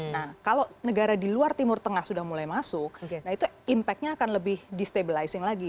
nah kalau negara di luar timur tengah sudah mulai masuk nah itu impact nya akan lebih di stabilizing lagi